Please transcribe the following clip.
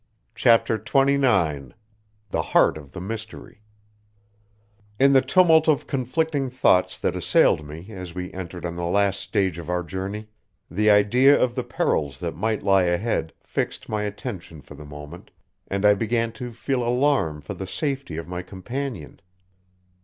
CHAPTER XXIX THE HEART OF THE MYSTERY In the tumult of conflicting thoughts that assailed me as we entered on the last stage of our journey, the idea of the perils that might lie ahead fixed my attention for the moment, and I began to feel alarm for the safety of my companion.